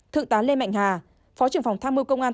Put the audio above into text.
thượng tá lê mạnh hà phó trưởng phòng tham mưu công an